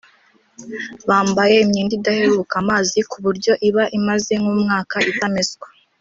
bambaye imyenda idaheruka amazi ku buryo iba imaze nk’umwaka itameswa